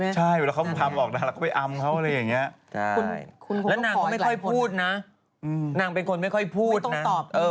ชอบอำเขาอะไรอย่างนี้